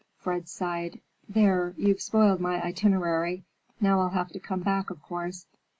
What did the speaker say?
Fred sighed. "There, you've spoiled my itinerary. Now I'll have to come back, of course.